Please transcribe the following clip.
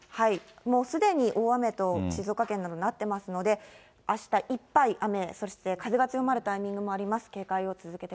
もうすでに大雨と、静岡県などなってますので、あしたいっぱい雨、そして風が強まるタイミングもあります。